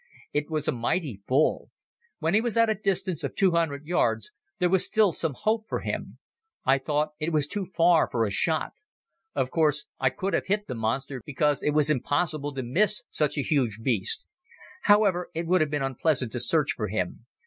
It was a mighty bull. When he was at a distance of two hundred yards there was still some hope for him. I thought it was too far for a shot. Of course I could have hit the monster because it was impossible to miss such a huge beast. However, it would have been unpleasant to search for him.